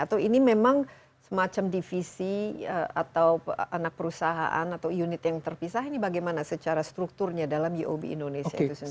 atau ini memang semacam divisi atau anak perusahaan atau unit yang terpisah ini bagaimana secara strukturnya dalam uob indonesia itu sendiri